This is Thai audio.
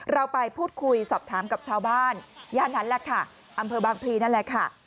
เราไปพูดคุยสอบถามกับชาวบ้านย่านนั้นแหละค่ะอำเภอบางพลีนั่นแหละค่ะ